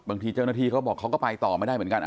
บางทีเจ้าหน้าที่เขาบอกเขาก็ไปต่อไม่ได้เหมือนกัน